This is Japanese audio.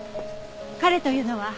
彼というのは？